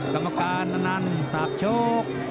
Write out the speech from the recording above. กรรมการนั้นสาบโชค